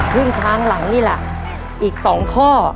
ครึ่งทางหลังนี่แหละอีก๒ข้อ